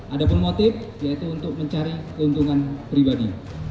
ada pun motif yaitu untuk mencari keuntungan pribadi